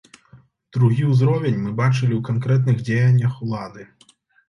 Другі ўзровень мы бачылі ў канкрэтных дзеяннях улады.